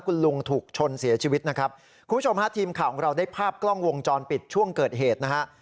คุณลุงถูกชนเสียชีวิตนะครับคุณผู้ชมฮะทีมข่าวของเราได้ภาพกล้องวงจรปิดช่วงเกิดเหตุนะฮะ